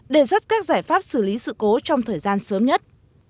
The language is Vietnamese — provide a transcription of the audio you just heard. đề xuất các giải pháp xử lý sự cố trong thời gian sớm nhất